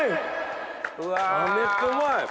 めっちゃうまい！